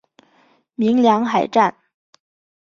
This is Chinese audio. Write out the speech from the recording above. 鸣梁海战